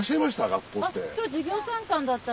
学校って。